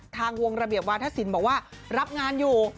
ทางวงระเบียบวาธศิลป์บอกว่ารับงานอยู่